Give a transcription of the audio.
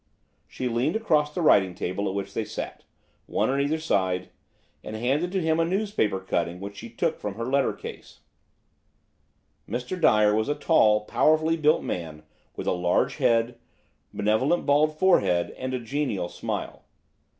She leaned across the writing table at which they sat, one either side, and handed to him a newspaper cutting which she took from her letter case. "HAVE YOU SEEN THIS?" Mr. Dyer was a tall, powerfully built man with a large head, benevolent bald forehead and a genial smile.